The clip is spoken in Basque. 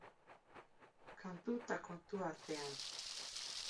Kantu eta kontu artean.